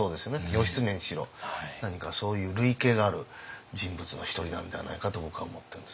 義経にしろ何かそういう類型がある人物の１人なのではないかと僕は思ってるんです。